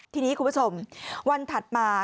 ทีนี้คุณผู้ชมวันถัดมา